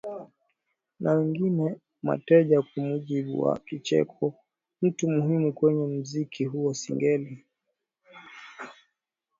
na wengine mateja Kwa mujibu wa Kicheko mtu muhimu kwenye muziki huo Singeli